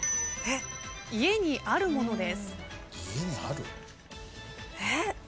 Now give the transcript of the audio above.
家にあるものです。